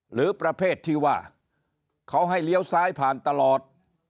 หรือประเภทที่ว่าเขาให้เลี้ยวซ้ายผ่านตลอด